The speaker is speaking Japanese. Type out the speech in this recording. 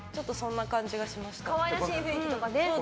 可愛らしい雰囲気とかね。